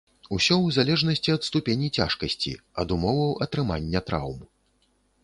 Усё ў залежнасці ад ступені цяжкасці, ад умоваў атрымання траўм.